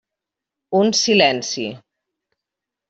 Un silenci.